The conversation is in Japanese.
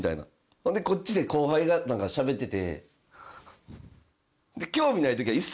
ほんでこっちで後輩がしゃべってて。